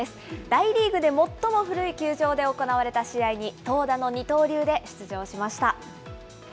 大リーグで最も古い球場で行われた試合に、投打の二刀流で出場しました。